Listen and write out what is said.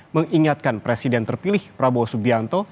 mengingatkan presiden terpilih prabowo subianto